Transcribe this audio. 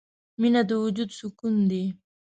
• مینه د وجود سکون دی.